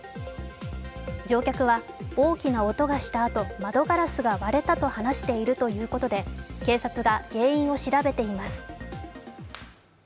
乗客は大きな音がしたあと窓ガラスが割れたと話しているということで警察が原因を調べています。